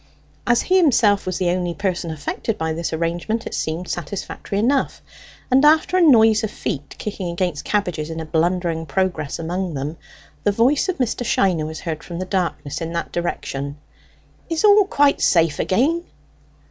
As he himself was the only person affected by this arrangement, it seemed satisfactory enough; and after a noise of feet kicking against cabbages in a blundering progress among them, the voice of Mr. Shiner was heard from the darkness in that direction. "Is all quite safe again?"